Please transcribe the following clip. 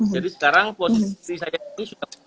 jadi sekarang posisi saya ini sudah